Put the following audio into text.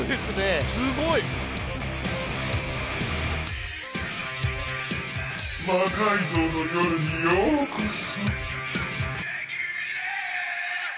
すごい！「魔改造の夜」にようこそ。